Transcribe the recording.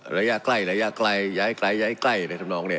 ระยะใกล้ระยะใกล้ย้ายใกล้ย้ายใกล้นะครับน้องเนี้ย